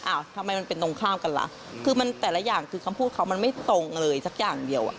อ่ะทำไมมันเป็นตรงข้ามกันล่ะคือมันแต่ละอย่างคือคำพูดเขามันไม่ตรงเลยสักอย่างเดียวอ่ะ